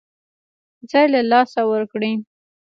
ځای له لاسه ورکړي.